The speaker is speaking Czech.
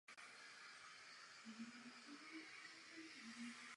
V období své největší slávy sloužil jako domov pro královskou rodinu a její příslušníky.